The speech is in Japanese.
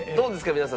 皆さん。